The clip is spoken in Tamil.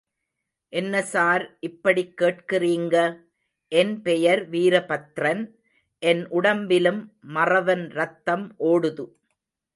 என்ன சார் இப்படிக் கேட்கிறீங்க, என் பெயர் வீரபத்ரன் என் உடம்பிலும் மறவன் ரத்தம் ஓடுது.